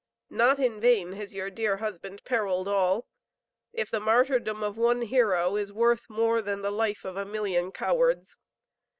Not in vain has your dear husband periled all, if the martyrdom of one hero is worth more than the life of a million cowards.